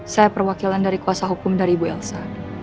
saya perwakilan dari kuasa hukum dari ibu elsa